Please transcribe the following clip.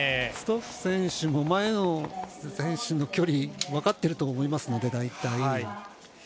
ストッフ選手も前の選手の距離分かってると思いますので、大体。